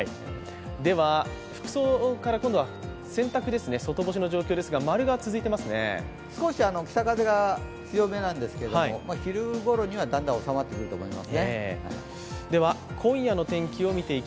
では服装から今度は洗濯ですね、外干しの状況ですが少し北風が強めなんですけど昼ごろにはだんだん収まってくると思います。